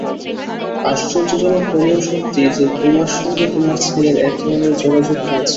আশ্চর্যজনক হলেও সত্যি যে তোমার সঙ্গে তোমার ছেলের একধরণের যোগাযোগ হয়েছে।